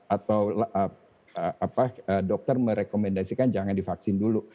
atau dokter merekomendasikan jangan divaksin dulu